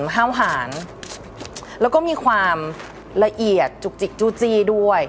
ห้าวหารแล้วก็มีความละเอียดจุกจิกจู้จี้ด้วย